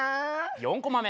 ４コマ目。